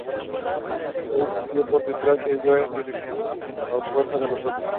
De allí salió por detrás y huyó en dirección opuesta a los otros.